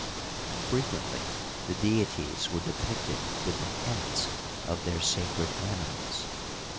Frequently the cfeities were depicted with the heads of their sacred animals.